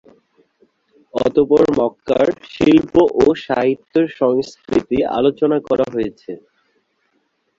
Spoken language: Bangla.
অতঃপর মক্কার শিল্প ও সাহিত্য-সংস্কৃতি আলোচনা করা হয়েছে।